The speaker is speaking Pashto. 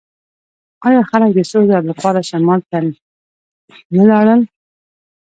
آیا خلک د سرو زرو لپاره شمال ته نه لاړل؟